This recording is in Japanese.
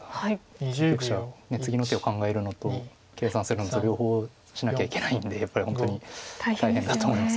対局者は次の手を考えるのと計算するのと両方しなきゃいけないんでやっぱり本当に大変だと思います